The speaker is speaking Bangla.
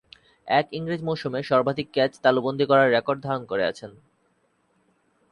এক ইংরেজ মৌসুমে সর্বাধিক ক্যাচ তালুবন্দী করার রেকর্ড ধারণ করে আছেন।